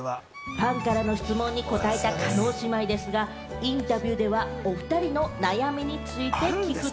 ファンからの質問に答えた叶姉妹ですが、インタビューでは、おふたりの悩みについて聞くと。